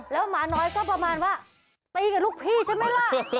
แล้วหมาน้อยก็ประมาณว่าตีกับลูกพี่ใช่ไหมล่ะ